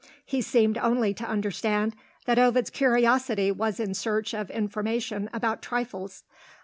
He seemed only to understand that Ovid's curiosity was in search of information about trifles.